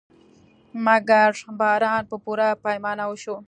مګر باران په پوره پیمانه وشو.